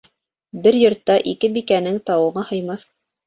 Бер йортта ике бикәнең тауығы һыймаҫ.